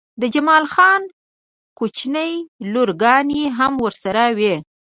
د جمال خان کوچنۍ لورګانې هم ورسره وې